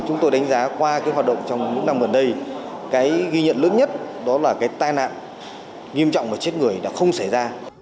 chúng tôi đánh giá qua cái hoạt động trong những năm gần đây cái ghi nhận lớn nhất đó là cái tai nạn nghiêm trọng và chết người đã không xảy ra